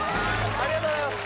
ありがとうございます